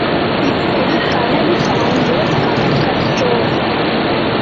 இப்படிக் கனவு காண்போர் கணக்கற்றோர்.